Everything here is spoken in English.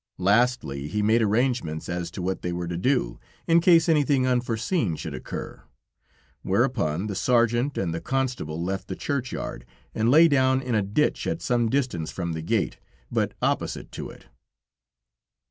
Lastly, he made arrangements as to what they were to do, in case anything unforeseen should occur, whereupon the sergeant and the constable left the churchyard, and lay down in a ditch at some distance from the gate, but opposite to it.